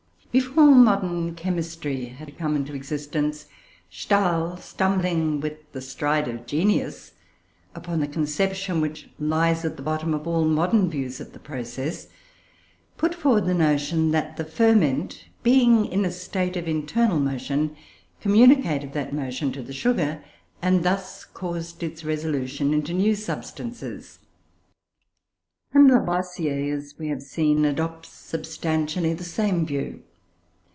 Before modern chemistry had come into existence, Stahl, stumbling, with the stride of genius, upon the conception which lies at the bottom of all modern views of the process, put forward the notion that the ferment, being in a state of internal motion, communicated that motion to the sugar, and thus caused its resolution into new substances. And Lavoisier, as we have seen, adopts substantially the same view.